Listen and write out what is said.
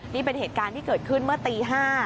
นี่เป็นเหตุการณ์ที่เกิดขึ้นเมื่อตี๕